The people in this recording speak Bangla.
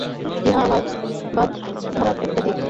ইহা আমার ভাবধারার একটা দিক্।